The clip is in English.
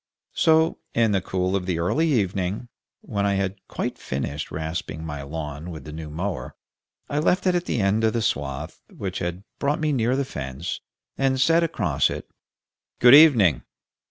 So, in the cool of the early evening, when I had quite finished rasping my lawn with the new mower, I left it at the end of the swath, which had brought me near the fence, and said across it, "Good evening!"